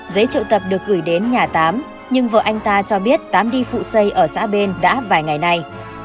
giấy triệu tập được gửi đến nhà tám nhưng vợ anh ta cho biết tám đi phụ xây ở xã bên đã vài ngày nay